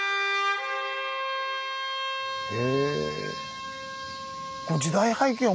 へえ。